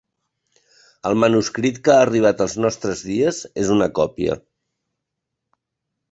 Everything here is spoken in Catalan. El manuscrit que ha arribat als nostres dies és una còpia.